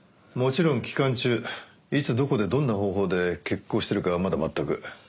もちろん期間中いつどこでどんな方法で決行するかはまだ全く。